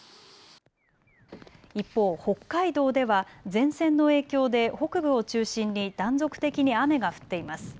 一方、北海道では前線の影響で北部を中心に断続的に雨が降っています。